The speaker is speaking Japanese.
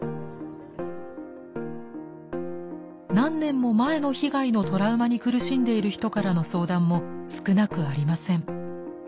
何年も前の被害のトラウマに苦しんでいる人からの相談も少なくありません。